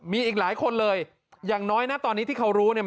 มีอีกหลายคนเลยอย่างน้อยนะตอนนี้ที่เขารู้เนี่ย